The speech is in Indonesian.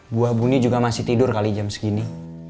buah bunyi juga masih tidur kali jam segini